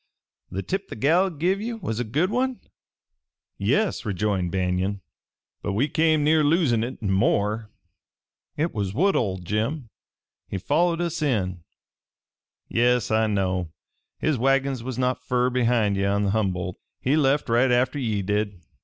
"The tip the gal give ye was a good one?" "Yes," rejoined Banion. "But we came near losing it and more. It was Woodhull, Jim. He followed us in." "Yes, I know. His wagons was not fur behind ye on the Humboldt. He left right atter ye did.